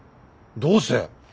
どうして！